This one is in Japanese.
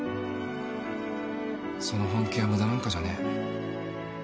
その本気は無駄なんかじゃねえ。